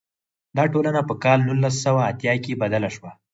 دا ټولنه په کال نولس سوه اتیا کې بدله شوه.